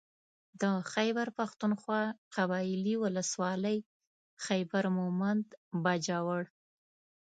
د خېبر پښتونخوا قبايلي ولسوالۍ خېبر مهمند باجوړ